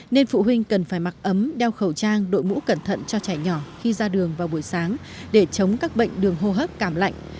nên phụ huynh cần phải mặc ấm đeo khẩu trang đội mũ cẩn thận cho trẻ nhỏ khi ra đường vào buổi sáng để chống các bệnh đường hô hấp cảm lạnh